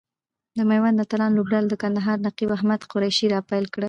د ميوند اتلان لوبډله له کندهاره نقیب احمد قریشي را پیل کړه.